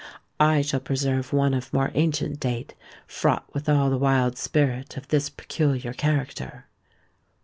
I shall preserve one of more ancient date, fraught with all the wild spirit of this peculiar character.